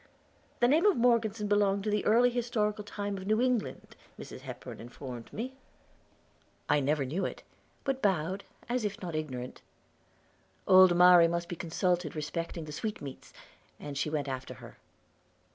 The name of Morgeson belonged to the early historical time of New England, Mrs. Hepburn informed me. I never knew it; but bowed, as if not ignorant. Old Mari must be consulted respecting the sweetmeats, and she went after her.